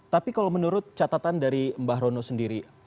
tapi kalau menurut catatan dari mbak rono sendiri